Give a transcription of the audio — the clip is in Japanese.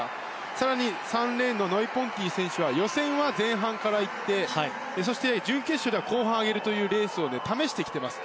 更に３レーンのノイ・ポンティ選手は予選は前半からいってそして、準決勝では後半上げるというレースを試してきています。